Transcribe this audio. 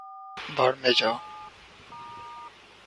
بھاڑ میں جاؤ